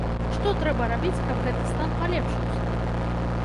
Што трэба рабіць, каб гэты стан палепшыўся?